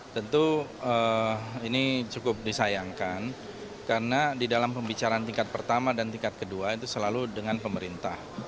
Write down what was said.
tentu ini cukup disayangkan karena di dalam pembicaraan tingkat pertama dan tingkat kedua itu selalu dengan pemerintah